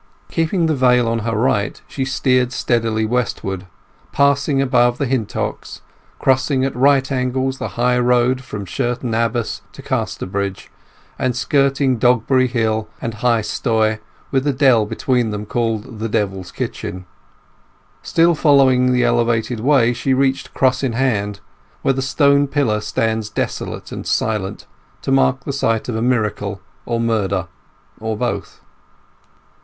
Keeping the Vale on her right, she steered steadily westward; passing above the Hintocks, crossing at right angles the high road from Sherton Abbas to Casterbridge, and skirting Dogbury Hill and High Stoy, with the dell between them called "The Devil's Kitchen". Still following the elevated way she reached Cross in Hand, where the stone pillar stands desolate and silent, to mark the site of a miracle, or murder, or both.